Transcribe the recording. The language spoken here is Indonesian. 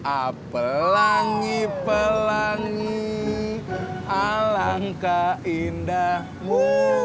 apelangi pelangi alangkah indahmu